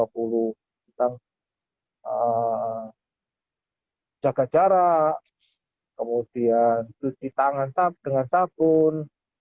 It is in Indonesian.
tentang jaga jarak kemudian cuci tangan dengan sabun